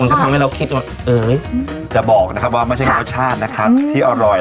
มันก็ทำให้เราคิดว่าจะบอกนะครับว่าไม่ใช่ความรสชาตินะครับอืมที่อร่อย